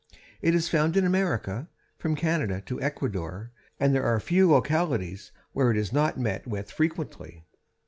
It is found in America from Canada to Ecuador, and there are few localities where it is not met with frequently.